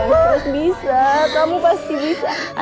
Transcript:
bos bisa kamu pasti bisa